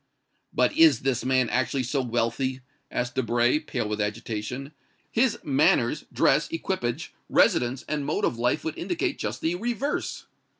"But is this man actually so wealthy?" asked Debray, pale with agitation. "His manners, dress, equipage, residence and mode of life would indicate just the reverse."